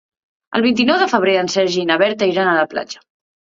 El vint-i-nou de febrer en Sergi i na Berta iran a la platja.